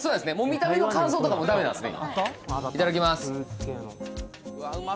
見た目の感想とかもダメなんですね